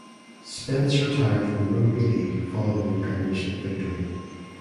Spence retired from rugby league following the premiership victory.